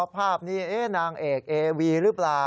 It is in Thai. ภาพนี้นางเอกเอวีหรือเปล่า